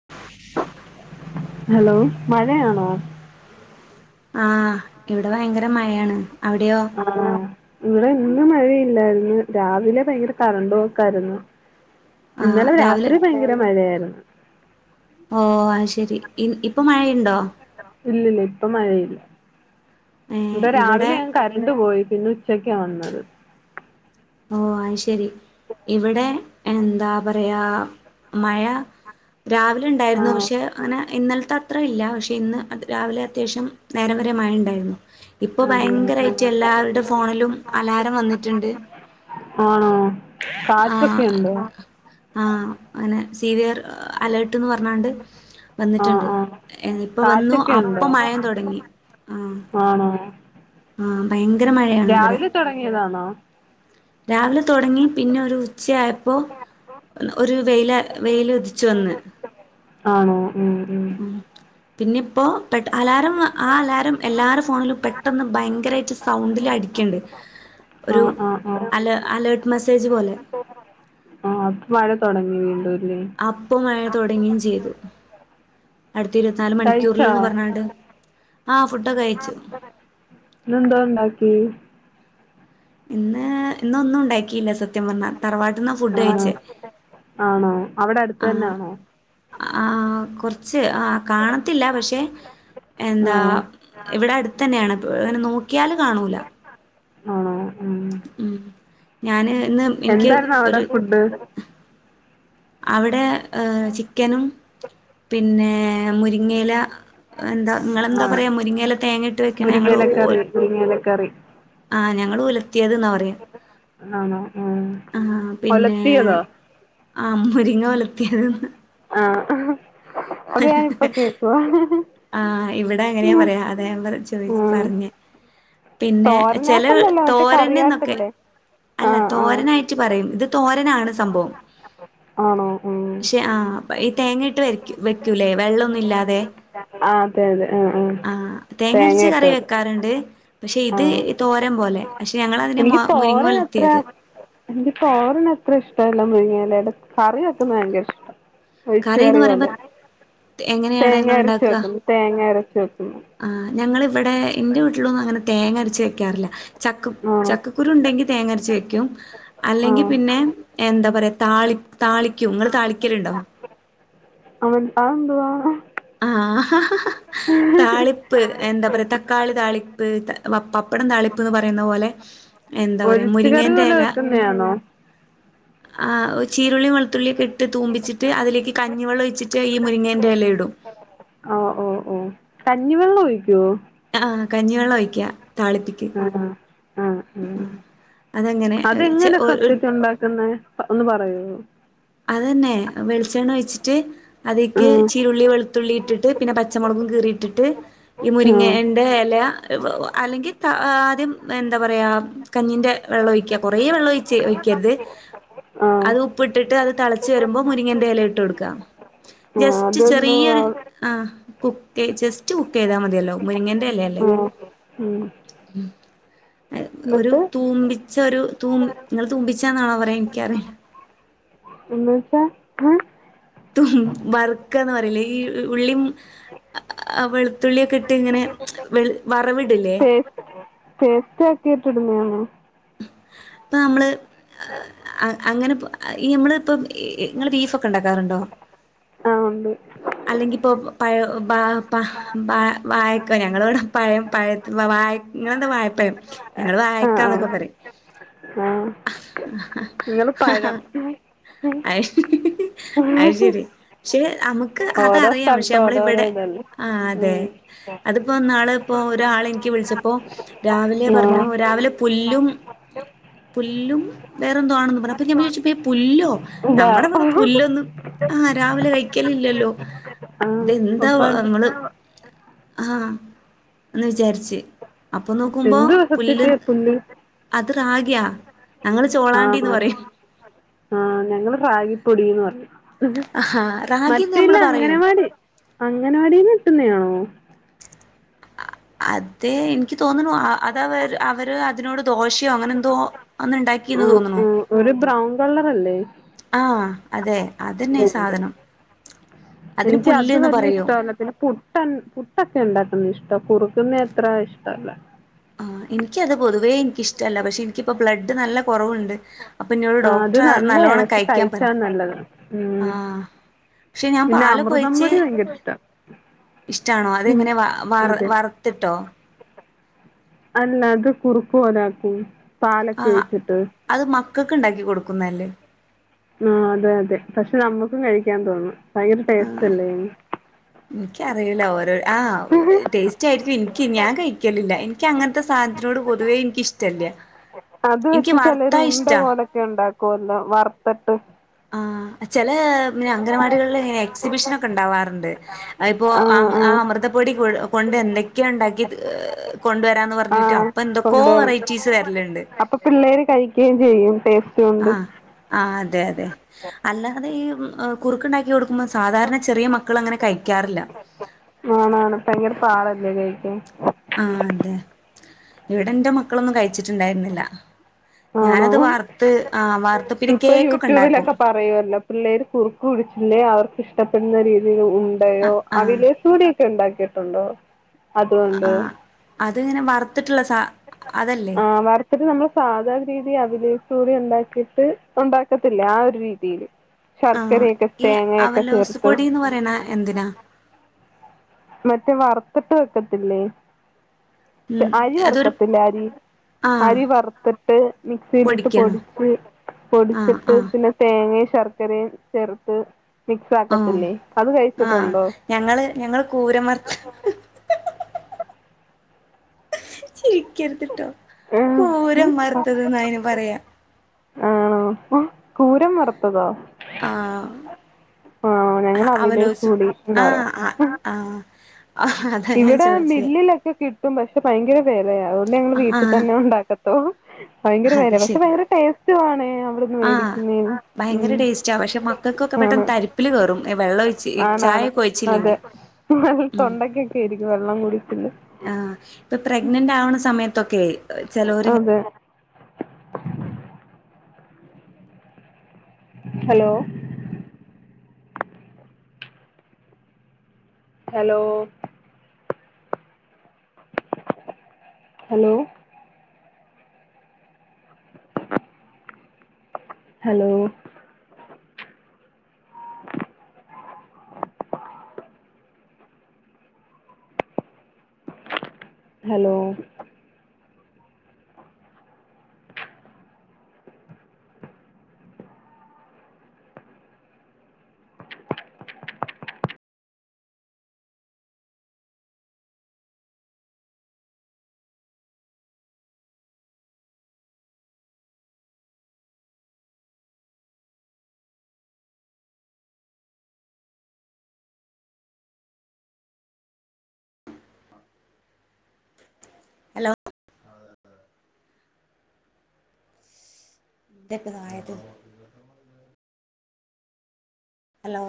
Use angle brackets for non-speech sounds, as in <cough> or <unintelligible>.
<inaudible> Hello മഴയാണോ? ആഹ് ഇവിടെ ഭയങ്കര മഴയാണ് അവിടെയോ? ആഹ ഇവിടെ ഇന്ന് മഴയില്ലായിരുന്നു രാവിലെ ഭയങ്കര കറണ്ട് പോക്കായിരുന്നു. ആഹ് ഇന്നലെ രാവിലെ രാത്രി ഭയങ്കര മഴയായിരുന്നു ഓ അയ് ശെരി ഇപ്പൊ മഴയുണ്ടോ ഇല്ലല്ല ഇപ്പൊ മഴയില്ല ഇവിടെ രാവിലെ കറണ്ട് പോയി പിന്നെ ഉച്ചക്കാ വന്നത് ഓ അയ്ശെരി ഇവിടെ എന്താ പറയാ മഴ രാവിലെ ആ ഉണ്ടായിരുന്നു പക്ഷെ അങ്ങനെ ഇന്നലത്തെ അത്ര ഇല്ല പക്ഷെ ഇന്ന് അത് രാവിലെ അത്യാവശ്യം നേരം വരെ മഴ ഉണ്ടായിരുന്നു ഇപ്പൊ അതെ ഭയങ്കരയിറ്റ് എല്ലാവരുടെ ഫോണിലും അലാറം വന്നിട്ടുണ്ട് ആണോ കാറ്റൊക്കെ ആഹ് ഉണ്ടോ ആഹ് അങ്ങനെ സീവിയർ അലേർട്ട്ന്ന് പറഞ്ഞാണ്ട് ആ വന്നിട്ടുണ്ട് ആ എ ഇപ്പം വന്നു കാറ്റൊക്കെ ഉണ്ടോ അപ്പം മയയും തുടങ്ങി ആഹ് ആണോ ആഹ് ഭയങ്കര മഴയാണ് ഇവിടെ രാവിലെ തുടങ്ങിയതാണോ രാവിലെ തൊടങ്ങി പിന്നെ ഒരു ഉച്ചയായപ്പോ ഒരു വെയില വെയില് ഉതിച്ചു വന്ന് ആണോ ഉം ഉം പിന്നെ ഇപ്പോ പെട്ടെ അലാറം ആ അലാറം എല്ലാരെ ഫോണിലും പെട് ട്ടന്ന് ഭയങ്കരയിട്ട് സൗണ്ടില് അടിക്കണ്ട് ഒരു ആഹ് ആഹ് ആഹ് അല അലേർട്ട് മെസ്സേജ് പോലെ ആഹ് അപ്പ മഴ തുടങ്ങി വീണ്ടുല്ലേ അപ്പം മഴ തുടങ്ങിയും ചെയ്തു അടുത്ത ഇരുപത്തിനാല് കഴിച്ചോ മണിക്കൂറൽന്ന് പറഞ്ഞണ്ട് ആ ഫുഡൊക്കെ കയിച് ഇന്നെന്താ ഇണ്ടാക്കിയേ ഇന്ന് ഇന്നൊന്നും ഉണ്ടാക്കിയില്ല സത്യം പറഞ്ഞാൽ തറവാട്ടന്ന് ഫുഡ് ആണോ കഴിച്ചേ ആണോ അവിടെ അടുത്ത് ആഹ് തന്നാണോ ആഹ് കുറച്ച് ആ കാണത്തില്ല പക്ഷെ എന്താ ആഹ് ഇവിടെ അടുത്ത് തന്നെയാണ് ങ്ങനെ നോക്കിയാല് കാണൂല ആണോ അഹ് ആഹ് ഉം ഞാന് ഇന്ന് എനിക്ക് എന്തായിാരുന്ന അവിടെ ഒരു ഫുഡ് അവിടെ ചിക്കനും പിന്നെ മുരിങ്ങയില എന്താ ഇങ്ങെളെന്താ ആഹ് പറയാ മുരിങ്ങല്ല തേങ്ങ ഇട്ട് വെക്കണ ഞങ്ങള്ൾ ഒ മുരിങ്ങയിലക്കറി മുരിങ്ങയിലക്കറി ആഹ് ഞങ്ങള് ഉലർത്തിയത് എന്നാ പറയാ ആണോ ഉം ആഹ് പിന്നെ ഒലത്തിയതോ ആം മുരിങ്ങ ഒലത്തിയദ്ന്ന് ആഹ് ഹ അത് ഞാാനിപ്പ കേക്കുവ ആഹ് ഇവിടെ അങ്ങനെയ പറയാ അത ഞ ചോദിച് ഉം പറഞ്ഞ പിന്നെ ചെല തോരനായിട്ടല്ലല്ലോ മറ്റേ തോരന്ന്നൊക്കെ കറിയായിട്ടല്ലേ അല്ല ആഹ് ആഹ് തോരനായിട്ട് പറയും ഇത് തോരനാണ് സംഭവം ആണോ ഉം പക്ഷെ ആഹ് അപ്പ ഈ തേങ്ങയിട്ട് വ വെക്കൂല്ലേ വെള്ളന്നു ഇല്ലാതെ ആഹ് അതെ അതെ ആ ആ ആഹ് തേങ്ങ തേങ്ങരച്ച് ഇട്ട അത് <unintelligible> പക്ഷെ ഇത് തോരം പോലെ പക്ഷെ ഞങ്ങ അതിനെ മുരിങ്ങ ഒലത്തിയത് എനിക്ക്പ്പോ ഓറിന് എത്ര ഇഷ്ടമല്ല മുഴങ്ങിയാലടെ കറിവെക്കുന്നത് ഭയങ്കര ഇഷ്ടം ഒഴിച് കറിന്ന് കറി പറയുമ്പോ പോലെ എങ്ങനെയാണ് തേങ്ങ അരച്ചു നിങ്ങളുണ്ടാക്കുക വെക്കുന്നു തേങ്ങ അരച്ച വെക്കുന്നു ആഹ് ഞങ്ങളിവിടെ എന്റെ വീട്ടിലൊന്നും അങ്ങനെ തേങ്ങ അരച്ച് വെക്കാറില്ല ചക്ക് ആഹ് ചക്ക് ക്കുരുണ്ടെങ്കിൽ തേങ്ങ അരച്ചവെക്കു അല്ലെങ്കിൽ ആഹ് പിന്നെ എന്താ പറ താളി താളി ക്കും നിങ്ങൾ താളിക്കലുണ്ടോ അവൻ ആ എന്തവാ ആഹ് താളിപ്പ് എന്താ പറയാ തക്കാളിതാളിപ്പ് വപ് പപ്പടം താളിപ്പ് എന്ന് പറയുന്ന പോലെ എന്താ പറയാ ഒഴിച്ച് കറി മുരിങ്ങേന്റെ പോലെ ഇല വെക്കുന്നയാണോ ആ ചീരുള്ളി വെളുത്തുള്ളിയൊക്കെ ഇട്ട് തൂമ്പിച്ചിട്ട് അതിലേക്ക് ക ഞ്ഞിവെള്ള ഒഴിച്ചിട്ട് ഈ മുരിങ്ങേന്റെ ഇല ഇടും ഓ ഓ ഓ കഞ്ഞിവെള്ളം ഒഴിക്കുവോ ആഹ് കഞ്ഞിവെള്ളം ഒഴിക്ക താളിപ്പിക്ക് അഹ് അഹ് ആഹ് ആഹ് അതങ്ങനെ ഏ, ചെ- അതെങ്ങനെ ഒ- ഒരു സത്യത്തി ഉണ്ടാക്കുന്നത് ഒന്ന് പറയോ അതന്നെ വെളിച്ചെണ്ണ ഒഴിച്ചിട്ട് അതിക്ക് ആഹ് ചീരു ള്ളി വെളുത്തുള്ളി ഇട്ടിട്ട് പിന്നെ പച്ചമുളകും കീറിട്ടിട്ട് ഈ ആഹ് മുരിങ്ങന്റെ ഇല അല്ലെങ്കിൽ ആദ്യം എന്താ പറയ കഞ്ഞിന്റെ വെള്ളം ഒഴിക്ക കൊറേ വെള്ളം ഒഴിച്ച് ഒഴിക്കരുത് ആഹ് അത് ഉപ്പ് ഇട്ടിട്ട് അത് തളച്ച് വരുമ്പോ മുരിങ്ങന്റെ ഇല ഇട്ട്കൊടുക്ക ആഹ് ജസ്റ്റ് അതൊന്ന് ചെറിയരു ആഹ് ആ കുക്ക് ജസ്റ്റ് കുക്ക് ചെയ്താൽ മതിയല്ലോ മുരിങ്ങന്റെ ഇല അല്ലേ ഉം ഒരു എന്നിട്ട് തൂമ്പി ച്ചൊരു ഒരു തൂ നിങ്ങൾ തൂമ്പിച്ചാന്നാണോ പറയാ എനിക്കറിയില്ല എന്നവെച്ച വർക്കന്ന് പറയില്ലേ ഈ ഉള്ളി വെളുത്തുള്ളിയൊക്കെ ഇട്ട് ഇങ്ങനെ വറവിടില്ലേ വൃത്തിയാക്കീട്ട് ഇടുന്നതാണോ ഇപ്പൊ നമ്മള് അങ്ങനെ ഈ നമ്മൾ ഇപ്പ ഇങ്ങള് ബീഫ് ഒക്കെ ഉണ്ടാക്കാറുണ്ടോ ആഹ് ഉണ്ട് അല്ലെങ്കി ഇപ്പോ പഴ ബാ ആ ബാ വായക്ക ഞങ്ങളിവിടെ പഴം പഴ വായ് ഇങ്ങളെന്താ വാഴപയം ഞങ്ങള് വായക്കാന്നൊക്കെ പറയും ആഹ് നിങ്ങള് പഴം അഹ് അത് ശരി പക്ഷെ നമുക്ക് ഇക്ക് ഓരോ അതറിയാം പക്ഷെ സ്ഥലത്ത് നമ്മള് ഓരോരോ ഇവിടെ ഇതല്ലേ ആ അതെ ഉം. അതിപ്പോ നാള്പ്പോൾ ഒരാളിൻക്ക് വിളിച്ചപ്പോൾ രാവിലെ പറഞ്ഞു ആ രാവിലെ പുല്ലും പുല്ലും വേറെന്തോ ആണെന്ന് പറഞ്ഞു അപ്പം ഞാൻ വിചാരിച്ചപ്പോ ഈ പുല്ലോ ഇല്ല നമ്മുടെ ഇവിടെ പുല്ലൊന്നും ആ രാവിലെ കഴിക്കല് ഇല്ലല്ലോ ആ ഇതെന്താ അപ്പൊ ങ്ങള് ആഹാ എന്ന് വിചാരിച്ച് അപ്പൊ നോക്കുമ്പോ എന്ത് പുല്ല് വിസത്തിട്ട് പുല്ല് അത്റാഗിയാ ആണോ ആ ഞങ്ങള് റാഗിപ്പൊടിന്ന് പറിം ആഹാ റാഗിന്ന് മറ്റേല്ല നമ്മള് പറയും അംഗനവാടി അംഗനവാടിന്ന് കിട്ടുന്നതാണോ അതെ എനിക്ക് തോന്നുന്നു അത അവര് അവര് അതിനോട് ദോഷയോ അങ്ങനെ എന്തോ അന്ന് ഉണ്ടാക്കിന്ന് ആഹ് തോന്നുണു ആഹ് ഒരു ബ്രൗൺ കളറല്ലേ ആഹ് അതെ അതന്നെ സാധനം അതിന് എനിക്ക് അത് പുല്ല്ന്ന് വലിയ പറയും ഇഷ്ടമല്ല പിന്നെ പു ട്ട പുട്ടൊക്കെ ഉണ്ടാക്കുന്ന ഇഷ്ടമാണ് കുറുക്കുന്നത്ര ഇഷ്ടല്ല ആഹ്എനിക്കത് പൊതുവേ എനിക്കിഷ്ടമല്ല പക്ഷെ എനിക്കിപ്പ ബ്ലഡ് നല്ല കുറവുണ്ട് അപ്പൊ ഇന്നോട് ആഹ് അത് ഡോക്ടർ നല്ലോ നല്ലയാ ണ്ണം പക്ഷെ കഴിക്കാൻ പറ കഴിച്ചാ നല്ലതാ ഉം ആഹ് പക്ഷെ ഞാൻ പിന്നെ പാല് ഒക്കെ അമൃതം കൊഴിച്ച് പൊടി ഭയങ്കര ഇഷ്ടാ ഇഷ്ടാണോ അത ഉം ങ്ങനെ വർ അതെ വ ർ ത്തിട്ടോ അല്ല അത് കുറുക്കപോലാക്കും ആഹ് അത് മക്കൾക്ക് ഉണ്ടാക്കി കൊടുക്കുന്നല്ലേ ആഹ് അതെ അതെ പക്ഷെ നമ്മുക്കും കഴിക്കാൻ തോന്നും ഭയങ്കര ആ ടേസ്റ്റ് അല്ലേന് എനിക്കറിയൂല ഓരോ ആഹ് ടേസ്റ്റ് ഇഷ്ടായിരിക്കും എനിക്ക് ഞാൻ കഴിക്കലില്ല എനിക്ക്ങ്ങനത്തെ സാധനത്തിനോട് പൊതുവേ എനിക്കിഷ്ടമല്ല അത് വെച്ച് ചിലർ ഉണ്ട പോലൊക്കെ ഉണ്ടാക്കുവല്ലോ വറത്തട്ട് ആ ഹ്ചില അംഗൻവാടികളിൽ ഇങ്ങന എക്സിബിഷൻ ഒക്കെ ഉണ്ടാവാറുണ്ട് ഇപ്പോ ആ അമൃതപ്പൊടി കൊണ്ട് എന്തൊക്കെയ ഉണ്ടാക്കി കൊണ്ടുവരാന്ന് ആ പറഞ്ഞിട്ട് എന്തൊക്കോ കൊണ്ടുവരണം വെറൈറ്റീസ് വരലുണ്ട് അപ്പൊ പിള്ളേര് കഴിക്കയും ചെയ്യും ടേസ്റ്റ് കൊണ്ട് ആ ഹ്ആ ഹ്അതെ അതെ അല്ലാതെ ഈ കുറുക്ക് ഉണ്ടാക്കി കൊടുക്കുമ്പോൾ സാധാരണ ചെറിയ മക്കൾ അങ്ങനെ കഴിക്കാറില്ല ആണാണ് ഭയങ്കര പാടല്ലേ കഴിക്കാൻ ആ അന്തെ ഇവിടെ എന്റെ മക്കളൊന്നും കഴിച്ചിട്ടുണ്ടായിരുന്നില്ല ആണോ ഞാനത് വറുത്ത് ആ വറുത്ത് പിന്നെ കേക്കൊക്കെ ഉണ്ടാക്കും എല്ല പിള്ളേര് കുറുക്ക് പിടിച്ചില്ലേ അവർക്ക് ഇഷ്ടപ്പെടുന്ന രീതിൽ ഉ ടയോ ആഹ് ആഹ് അവലെസൂപൊടിയൊക്കെ ഉണ്ടാക്കിയിട്ടുണ്ടോ അതുകൊണ്ട് അത് ഇങ്ങനെ വറത്തിട്ടുള്ള സ അതല്ലേ ഇത്തിരിനമ്മള് സാധാരണ രീതി അഭിലേസുപൊടി ഉണ്ടാക്കിട്ട് ഉണ്ടാക്കത്തില്ലേആ ഒരു രീതിയില് ആഹ് ശർക്കരയൊക്കെ ഈ തേങ്ങയൊക്കെ അവലോസ് ചേർത്ത് പൊടിന്ന് പറയണ എന്തിനാ മറ്റേ വറത്തിട്ട് വെക്കത്തില്ലേ ഉം അരി അതൊരു വറക്കത്തില്ലേ അരി ആഹ് അരി വറുത്തിട്ട് മിക്സിയിലിട്ട് പൊടിക്കാണോ പൊടിച്ച് ആഹ് പൊടിച്ചിട്ട് ആഹ് പിന്നെ തേങ്ങയും ശർക്കരയും ചേർത്ത് മിക്സ് ആഹ് ആക്കത്തില്ലേ അത് ആഹ് കഴിച്ചിട്ടുണ്ടോ ഞങ്ങള് ഞങ്ങള് കൂരമർത്ത ചിരിക്കര്ത്തിട്ടോ കൂരം വറുത്തത് ന്ന അതിന് പറയാ ആണോ കൂരം വറുത്തതോ ആഹ് ആണോ ആ ഞങ്ങൾ അവിലേസ് അവലോസു കൂടി എന്ന് ആഹ് പറയും ആ ആ ഇവിടെ മില്ലിലൊക്കെ കി ട്ടും പക്ഷെ ഭയങ്കര വിലയ അതുകൊണ്ട് ഞങ്ങ വീട്ടിൽ ആഹ് തന്നെ ഉണ്ടാക്കത്തോ ഭയങ്കര അത് വില പക്ഷെ ശരി ഭയങ്കര ടേസ്റ്റ് ടേസ്റ്റ് ആണ് ആഹ് മേടിക്കുന്നതിന് ഭയങ്കര ഉം ടേസ്റ്റ് ആ പക്ഷെ മക്കൾക്കൊക്കെ ആണ് പെട്ടെന്ന് തരിപ്പിൽ കേയറും വെള്ള ഒഴ ആണാണ് അതെ ഉം തൊണ്ടക്കൊക്കെ ആയിരിക്കും വെള്ളം കുടിക്കല് പ്പൊ പ്രഗ്നന്റ് ആവുന്ന സമയത്തൊക്കെ ചെലൊര് ഇങ്ങനെ അതെ hello hello hello hello hello hello ഇന്തൊക്കെതായത് ഹലോ